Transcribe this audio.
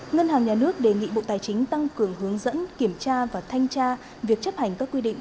ngân hàng nhà nước đề nghị bộ tài chính tăng cường hướng dẫn kiểm tra và thanh tra việc chấp hành các quy định